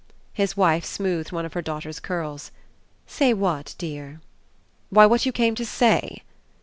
His wife smoothed one of her daughter's curls. "Say what, dear?" "Why what you came to say."